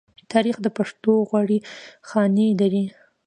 تاریخ د پښو غوړې خاڼې لري.